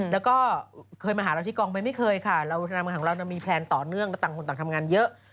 แล้วก็เคยมาหาเราที่กองไหมไม่เคยค่ะเราทำงานของเรามีแพลนต่อเนื่องแล้วต่างคนต่างทำงานเยอะ